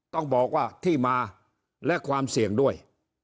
ต้องบอกว่าที่มาและความเสี่ยงด้วย